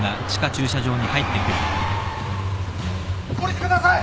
降りてください！